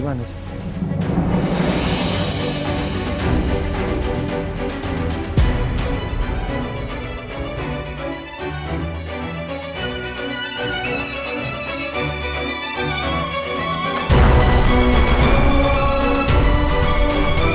iya aduh seperti karamsung